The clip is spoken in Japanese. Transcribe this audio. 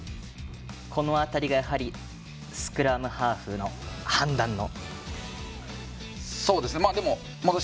この辺りがスクラムハーフの判断の。